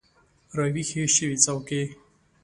راویښې شوي څوکې